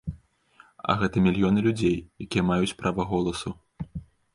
А гэта мільёны людзей, якія маюць права голасу.